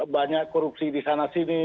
banyak korupsi di sana sini